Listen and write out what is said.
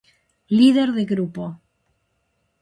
Líder de Grupo.